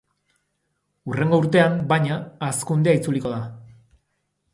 Hurrengo urtean, baina, hazkundea itzuliko da.